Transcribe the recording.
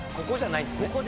ここじゃないんですね。